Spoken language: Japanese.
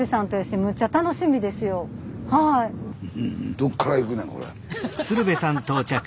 「どっから行くねんこれ」って。